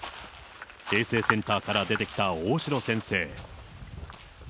衛生センターから出てきた大城先生。